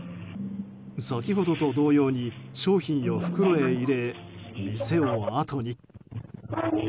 先ほどと同様に商品を袋へ入れ店をあとに。